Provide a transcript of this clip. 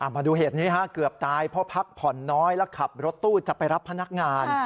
มาดูเหตุนี้เกือบตายเพราะพักผ่อนน้อยแล้วขับรถตู้จะไปรับพนักงาน